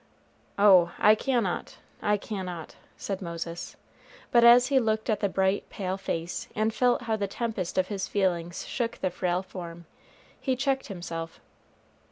"Oh, I cannot, I cannot," said Moses; but as he looked at the bright, pale face, and felt how the tempest of his feelings shook the frail form, he checked himself.